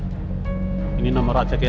kita tidak boleh nakut takut lagi